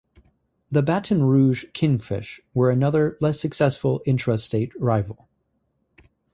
The Baton Rouge Kingfish were another, less successful intrastate rival.